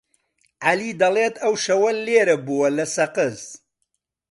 عەلی دەڵێت ئەو شەوە لێرە بووە لە سەقز.